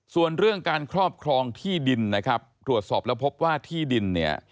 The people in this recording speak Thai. ส่วนเรื่องการครอบครองที่ดินตรวจสอบแล้วพบว่าที่ดิน